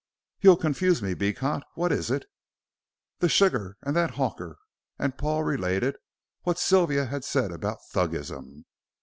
"You'll confuse me, Beecot. What is it?" "The sugar and that hawker," and Paul related what Sylvia had said about Thuggism.